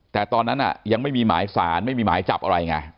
แต่ตอนนั้นยังไม่มีหมายสารไม่มีหมายจับอะไรไง